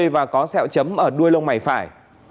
và có sẹo chấm ở đuôi lông mảy phải